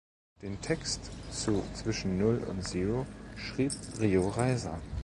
Den Text zu "Zwischen Null und Zero" schrieb Rio Reiser.